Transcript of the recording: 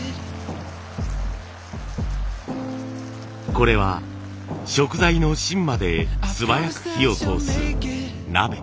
これは食材の芯まで素早く火を通す鍋。